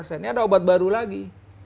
ini ada obat baru lagi